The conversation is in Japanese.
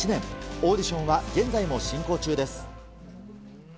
オーディションは現在も進行中です。